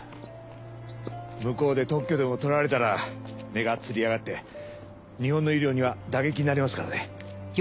向こうで特許でも取られたら値がつり上がって日本の医療には打撃になりますからね。